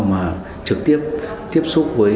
mà trực tiếp tiếp xúc với